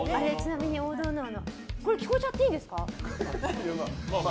これ、聞こえちゃっていいんですか？